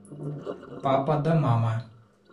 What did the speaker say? Папа да мама.